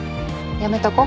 やめとこ。